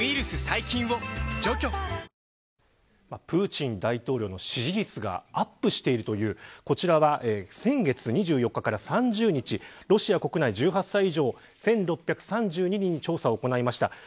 プーチン大統領の支持率がアップしているというこちらは先月２４日から３０日ロシア国内、１８歳以上１６３２人に調査を行いました。